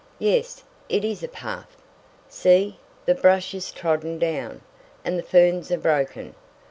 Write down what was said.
"Yes, it is a path. See, the brush is trodden down, and the ferns are broken.